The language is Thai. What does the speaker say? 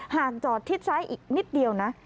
หากจอดทิศซ้ายอีกนิดเดียวนะ